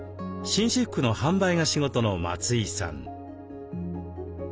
紳士服の販売が仕事の松井さん。